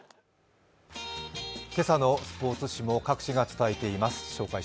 今朝のスポーツ紙も各紙が伝えています。